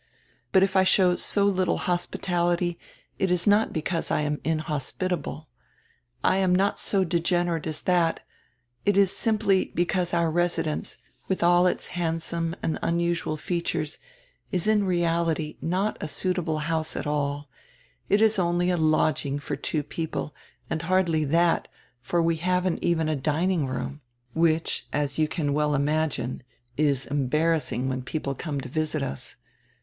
But if I show so litde hospitality it is not because I am inhospitable. I am not so degenerate as tiiat. It is simply because our residence, with all its hand some and unusual features, is in reality not a suitable house at all; it is only a lodging for two people, and hardly that, for we haven't even a dining room, which, as you can well imagine, is embarrassing when people come to visit us.